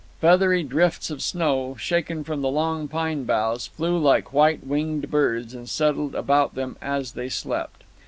Feathery drifts of snow, shaken from the long pine boughs, flew like white winged birds, and settled about them as they slept.